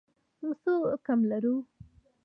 موږ څه کم لرو